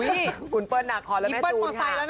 นี่คุณเปิ้ลนาคอนและแม่จูนค่ะ